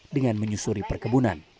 dengan menyusuri perkebunan